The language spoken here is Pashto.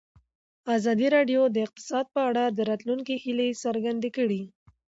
ازادي راډیو د اقتصاد په اړه د راتلونکي هیلې څرګندې کړې.